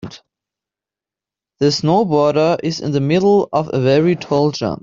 The snowboarder is in the middle of a very tall jump